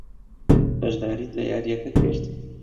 بەشداریت لە یارییەکە کرد؟